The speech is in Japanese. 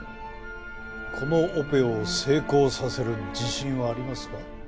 このオペを成功させる自信はありますか？